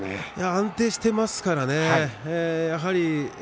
安定していますからねやはり。